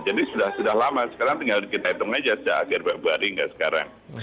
jadi sudah lama sekarang tinggal kita hitung aja sudah akhir berapa hari enggak sekarang